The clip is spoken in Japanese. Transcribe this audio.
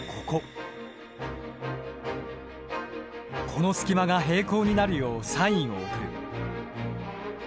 この隙間が平行になるようサインを送る。